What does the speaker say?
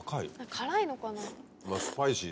辛いのかな？